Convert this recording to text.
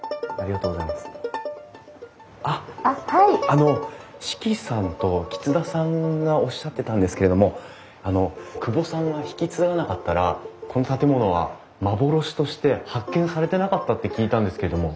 あの志岐さんと橘田さんがおっしゃってたんですけれどもあの久保さんが引き継がなかったらこの建物は幻として発見されてなかったって聞いたんですけども。